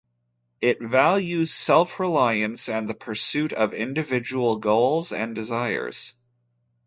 It values self-reliance and the pursuit of individual goals and desires.